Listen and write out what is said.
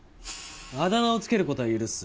あだ名をつける事は許す。